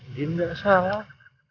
andi nggak salah